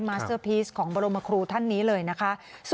เซอร์พีชของบรมครูท่านนี้เลยนะคะ